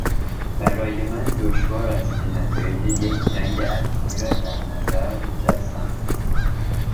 برای من دشوار است که نتایج یک جنگ اتمی را در نظر مجسم کنم.